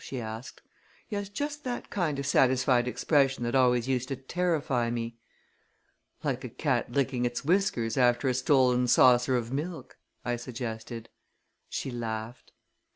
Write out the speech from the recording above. she asked. "He has just that kind of satisfied expression that always used to terrify me." "Like a cat licking its whiskers after a stolen saucer of milk!" I suggested. She laughed.